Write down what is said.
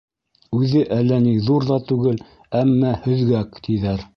Үҙе әллә ни ҙур ҙа түгел, әммә һөҙгәк, тиҙәр.